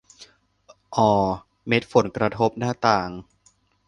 อ่อ เม็ดฝนกระทบหน้าต่าง